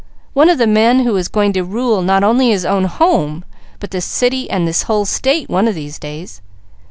One of the men who is going to rule, not only his own home, but this city, and this whole state, one of these days.